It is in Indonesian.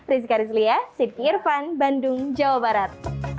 rizka rizlia siti irfan bandung jawa barat